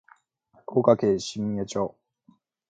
福岡県新宮町